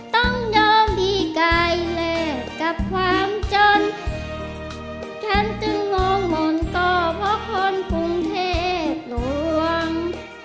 ต้องยอมดีกายแลกกับความจนฉันจึงงงมนต์ก็เพราะคนกรุงเทพหลวง